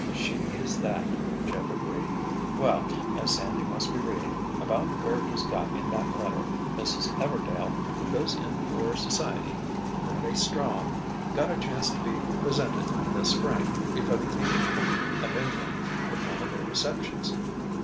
"She is that!" Jeff agreed. "Well, as Sandy must be reading, about where he's got in that letter, Mrs. Everdail, who goes in for society pretty strong, got a chance to be presented, this Spring, before the King and Queen of England at one of their receptions."